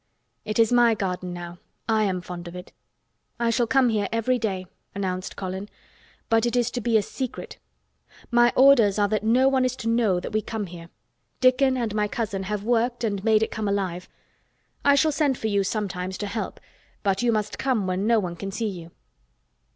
"It is my garden now. I am fond of it. I shall come here every day," announced Colin. "But it is to be a secret. My orders are that no one is to know that we come here. Dickon and my cousin have worked and made it come alive. I shall send for you sometimes to help—but you must come when no one can see you."